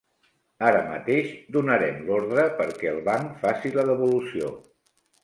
Ara mateix donarem l'ordre perquè el banc faci la devolució.